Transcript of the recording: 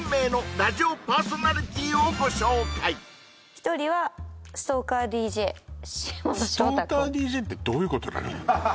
一人はストーカーＤＪってどういうことなの？